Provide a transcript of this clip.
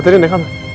baterai ada di kamar